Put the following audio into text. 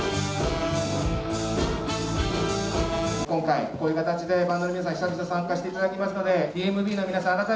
今回こういう形でバンドの皆さん久々参加していただきますのでＤＭＢの皆さん